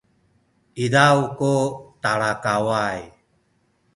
izaw ku talakaway